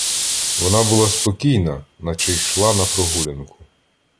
Вона була спокійна, наче йшла на прогулянку.